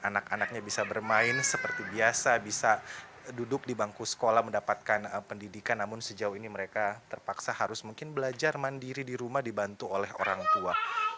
anak anaknya bisa bermain seperti biasa bisa duduk di bangku sekolah mendapatkan pendidikan namun sejauh ini mereka terpaksa harus mungkin belajar mandiri di rumah dibantu oleh orang tua